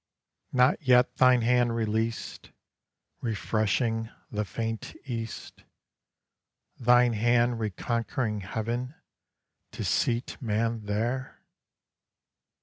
Not yet thine hand released Refreshing the faint east, Thine hand reconquering heaven, to seat man there?